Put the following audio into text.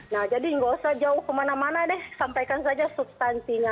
nah jadi nggak usah jauh kemana mana deh sampaikan saja substansinya